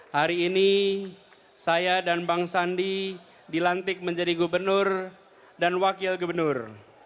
hari ini saya dan bang sandi dilantik menjadi gubernur dan wakil gubernur